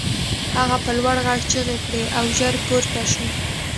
هغه په لوړ غږ چیغې کړې او ژر پورته شو